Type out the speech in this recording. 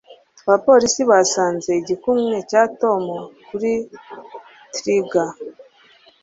Abapolisi basanze igikumwe cya Tom kuri trigger